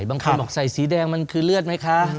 บางคนบอกใส่สีแดงมันคือเลือดไหมคะ